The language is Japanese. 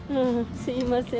すみません。